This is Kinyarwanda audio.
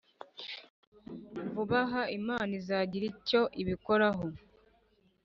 vuba aha Imana izagira icyo ibikoraho